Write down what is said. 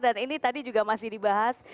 dan ini tadi juga masih dibahas